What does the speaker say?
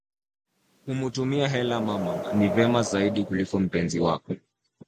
Kumutumia hela mama ni vema zaidi kuliko mpenzi wako